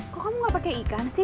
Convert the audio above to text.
kok kamu gak pakai ikan sih